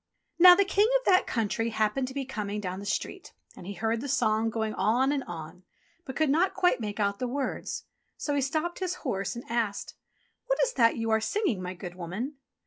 Now the King of that country happened to be coming down the street, and he heard the song going on and on, but could not quite make out the words. So he stopped his horse, and asked : "What is that you are singing, my good woman